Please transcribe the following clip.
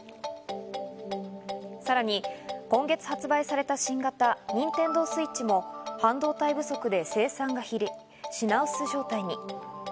さらに今月発売された新型ＮｉｎｔｅｎｄｏＳｗｉｔｃｈも半導体不足で生産が減り、品薄状態に。